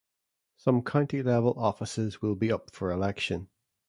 Some county level offices will be up for election.